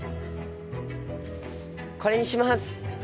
これにします。